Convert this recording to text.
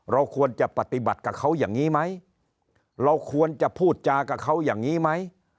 เราควรจะปฏิบัติกับเขาอย่างนี้ไหมเราควรจะพูดจากับเขาอย่างนี้ไหม